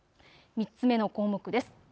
３つ目の項目です。